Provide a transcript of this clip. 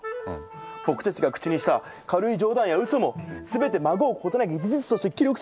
僕たちが口にした軽い冗談やウソも全てまごうことなき事実として記録されたらどうよ？